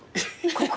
ここ。